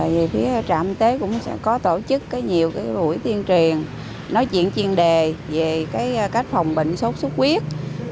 về phía trạm y tế cũng có tổ chức nhiều buổi tuyên truyền nói chuyện chuyên đề về cách phòng bệnh sốt xuất huyết